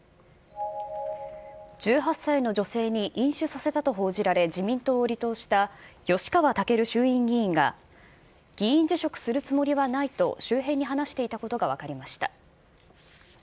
１８歳の女性に飲酒させたと報じられ、自民党を離党した、吉川赳衆院議員が、議員辞職するつもりはないと周辺に話していたことが分かりました。